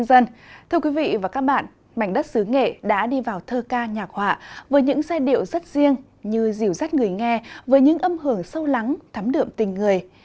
xin chào các bạn mảnh đất xứ nghệ đã đi vào thơ ca nhạc họa với những giai điệu rất riêng như dìu dắt người nghe với những âm hưởng sâu lắng thắm đượm tình người